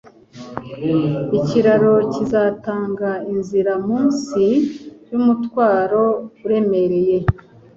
Ikiraro kizatanga inzira munsi yumutwaro uremereye.